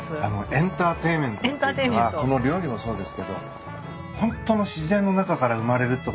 エンターテインメントっていうのはこの料理もそうですけどホントの自然の中から生まれるってことを発見しました。